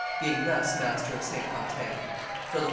Being thus master of Saint Quentin, Philip II.